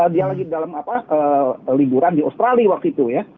dia lagi dalam liburan di australia waktu itu ya